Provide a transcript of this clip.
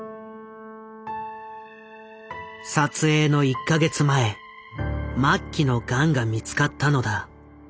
撮影の１か月前末期のガンが見つかったのだ。